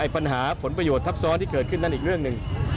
ปัญหาผลประโยชน์ทับซ้อนที่เกิดขึ้นนั้นอีกเรื่องหนึ่ง